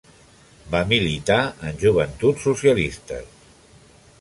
Va militar en Joventuts Socialistes.